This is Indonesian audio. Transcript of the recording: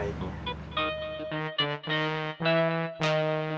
tapi ngapain ternyata